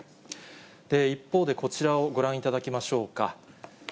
一方で、こちらをご覧いただきましょうか。